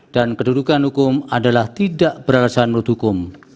dan kedudukan hukum adalah tidak berharga menurut hukum